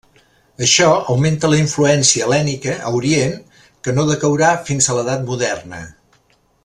Això augmenta la influència hel·lènica a Orient, que no decaurà fins a l'edat moderna.